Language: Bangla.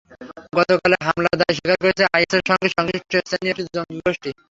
গতকালের হামলার দায় স্বীকার করেছে আইএসের সঙ্গে সংশ্লিষ্ট স্থানীয় একটি জঙ্গিগোষ্ঠী।